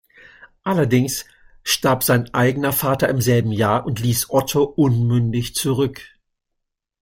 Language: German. Allerdings starb sein eigener Vater im selben Jahr und ließ Otto unmündig zurück.